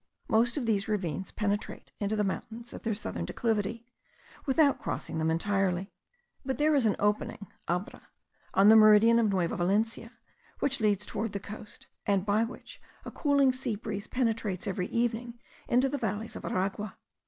Most of these ravines penetrate into the mountains at their southern declivity, without crossing them entirely. But there is an opening (abra) on the meridian of Nueva Valencia, which leads towards the coast, and by which a cooling sea breeze penetrates every evening into the valleys of Aragua.